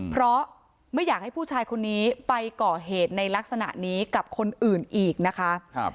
เพราะไม่อยากให้ผู้ชายคนนี้ไปก่อเหตุในลักษณะนี้กับคนอื่นอีกนะคะ